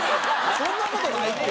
そんな事ないって！